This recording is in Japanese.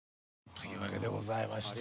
というわけでございまして。